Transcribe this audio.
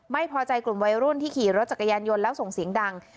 ไม่พอใจกลุ่มวัยรุ่นที่ขี่รถจักรยานยนต์แล้วส่งเสียงดัง